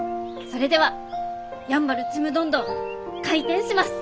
それではやんばるちむどんどん開店します！